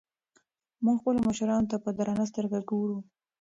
موږ خپلو مشرانو ته په درنه سترګه ګورو.